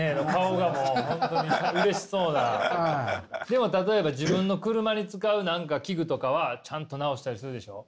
でも例えば自分の車に使う何か器具とかはちゃんと直したりするでしょ？